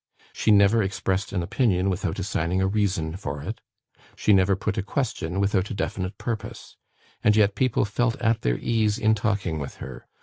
She never expressed an opinion without assigning a reason for it; she never put a question without a definite purpose; and yet people felt at their ease in talking with her.